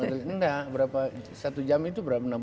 tidak satu jam itu berapa